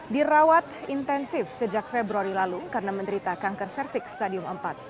dirawat intensif sejak februari lalu karena menderita kanker cervix stadium empat